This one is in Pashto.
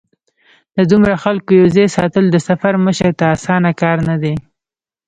د دومره خلکو یو ځای ساتل د سفر مشر ته اسانه کار نه دی.